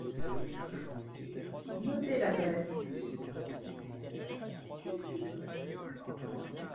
Notez l'adresse.